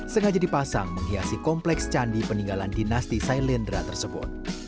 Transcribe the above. sengaja dipasang menghiasi kompleks candi peninggalan dinasti sailendra tersebut